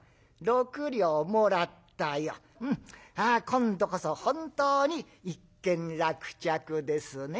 今度こそ本当に一件落着ですね。